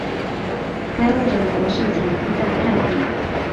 该物种的模式产地在太平洋。